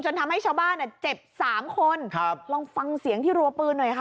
ทำให้ชาวบ้านอ่ะเจ็บสามคนครับลองฟังเสียงที่รัวปืนหน่อยค่ะ